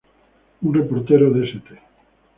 Un reportero de St.